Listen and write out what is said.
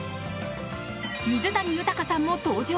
水谷豊さんも登場！